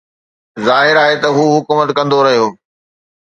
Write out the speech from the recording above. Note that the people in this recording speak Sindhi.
ظاهر آهي ته هو حڪومت ڪندو رهيو